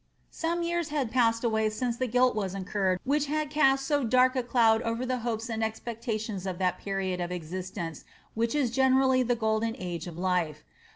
'Some years had passed away since the guilt was incurred which had cast so dark a cloud over the hopes and expectations of that period of existence which is generally the golden age of life.